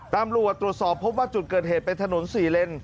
ตำรวจตรวจสอบพบว่าจุดเกิดเหตุเป็นถนน๔เลน